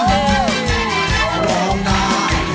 ร้องได้ให้ร้าน